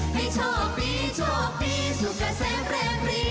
ให้โชคดีโชคดีสุขเสพเร็วดี